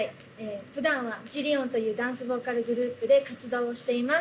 普段はＺＩＬＬＯＮというダンスボーカルグループで活動をしています。